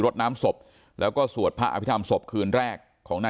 ดน้ำศพแล้วก็สวดพระอภิษฐรรมศพคืนแรกของนาย